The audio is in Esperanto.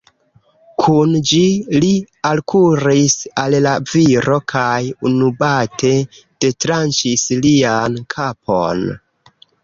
Kun ĝi li alkuris al la viro, kaj unubate detranĉis lian kapon.